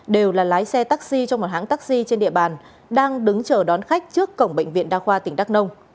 đều là lái xe taxi cho một hãng taxi trên địa bàn đang đứng chờ đón khách trước cổng bệnh viện đa khoa tỉnh đắk nông